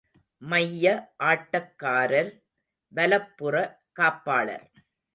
மைய ஆட்டக்காரர் வலப்புற காப்பாளர்